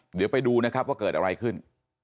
เดี๋ยวไปดูนะครับว่าเกิดอะไรขึ้น